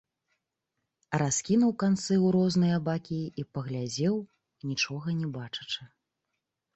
Раскінуў канцы ў розныя бакі і паглядзеў, нічога не бачачы.